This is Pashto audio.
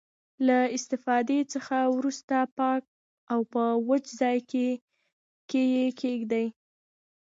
له استفادې څخه وروسته پاک او په وچ ځای کې یې کیږدئ.